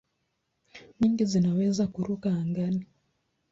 Nyingi zinaweza kuruka angani.